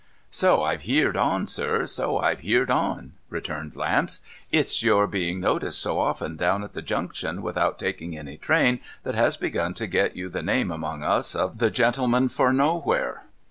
' So I've heerd on, sir, so I've heerd on,' returned Lamps. * It's your being noticed so often down at the Junction, without taking any train, that has begun to get you the name among us of the gentleman for Nowhere.